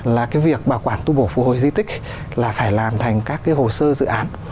là cái việc bảo quản tu bổ phục hồi di tích là phải làm thành các cái hồ sơ dự án